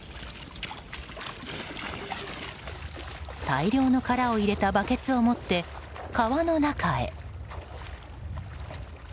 大量の殻を入れたバケツを持って、川の中へ。